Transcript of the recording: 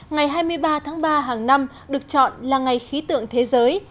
ngày hai mươi ba tháng ba hàng năm được chọn là ngày khí tượng thế giới